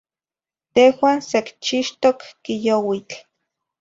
Tehuan secchixtoc quiyouitl